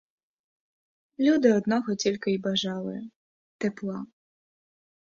Люди одного тільки й бажали — тепла.